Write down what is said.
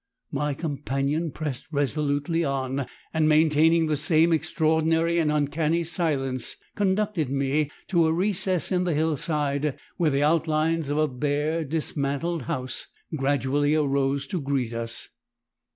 My companion pressed resolutely on, and, maintaining the same extraordinary and uncanny silence, conducted me to a recess in the hillside where the outlines of a bare, dismantled house gradually arose to greet us.